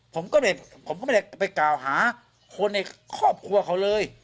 ผมก็เลยผมก็ไม่ได้ไปกล่าวหาคนในครอบครัวเขาเลย